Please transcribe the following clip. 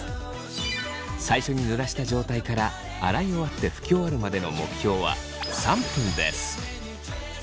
最初にぬらした状態から洗い終わって拭き終わるまでの目標は３分です。